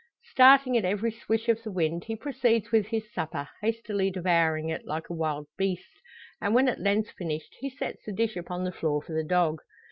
Starting at every swish of the wind, he proceeds with his supper, hastily devouring it, like a wild beast; and when at length finished, he sets the dish upon the floor for the dog.